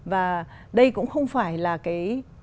và đây cũng không phải là cái